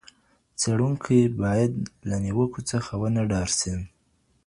څېړونکی باید هیڅکله له نیوکو څخه ونه ډار سي.